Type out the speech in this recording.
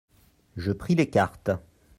Je pris les cartes.